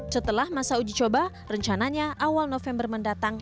setelah masa uji coba rencananya awal november mendatang